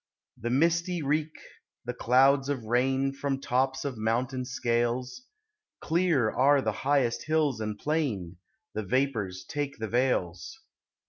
The misty reek, the clouds of rain From tops of mountains skails, Clear are the highest hills and plain, The vapours take the vales.